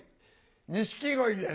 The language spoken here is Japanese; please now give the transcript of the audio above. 錦鯉です。